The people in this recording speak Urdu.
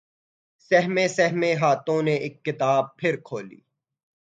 سہمے سہمے ہاتھوں نے اک کتاب پھر کھولی